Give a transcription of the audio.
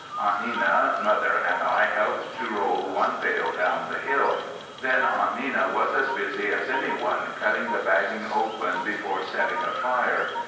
Aunt Nenna, Mother and I helped to roll one bale down the hill. Then Aunt Nenna was as busy as anyone, cutting the bagging open before setting a fire.